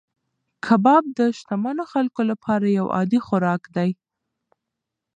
کباب د شتمنو خلکو لپاره یو عادي خوراک دی.